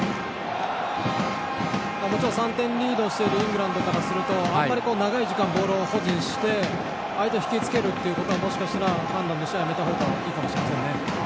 もちろん３点リードしているイングランドからするとあんまり長い時間ボールを保持して相手を引きつけることはもしかしたら判断としてやめた方がいいかもしれません。